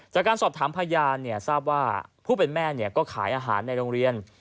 จากการสอบถามพยานทราบว่าผู้เป็นแม่ก็ขายอาหารในโรงเรียน